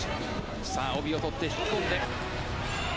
さあ、帯を取って引き込んで。